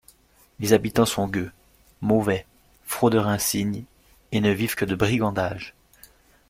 Les habitants sont gueux, mauvais, fraudeurs insignes, et ne vivent que de brigandages.